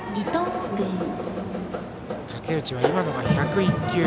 武内は今のが１０１球。